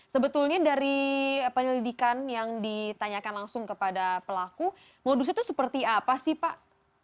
sebetulnya dari penyelidikan yang ditanyakan langsung kepada pelaku modus itu seperti apa sih pak